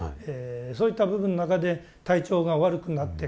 そういった部分の中で体調が悪くなってくる。